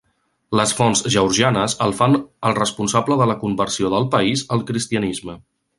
Les fonts georgianes el fan el responsable de la conversió del país al cristianisme.